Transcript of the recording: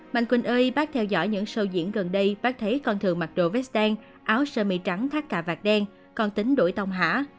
mạnh quỳnh ơi bác theo dõi những show diễn gần đây bác thấy con thường mặc đồ vest đen áo sơ mi trắng thắt cả vạt đen con tính đuổi tông hả